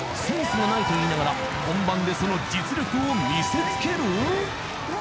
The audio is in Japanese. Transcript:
［センスがないと言いながら本番でその実力を見せつける！？］